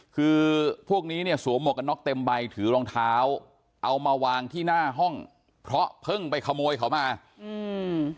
คือพวกนี้เนี้ยสวมหวกกันน็อกเต็มใบถือรองเท้าเอามาวางที่หน้าห้องเพราะเพิ่งไปขโมยเขามาอืม